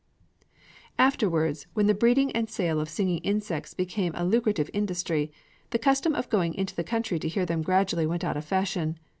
Afterwards, when the breeding and sale of singing insects became a lucrative industry, the custom of going into the country to hear them gradually went out of fashion.